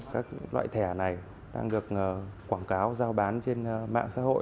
các loại thẻ này đang được quảng cáo giao bán trên mạng xã hội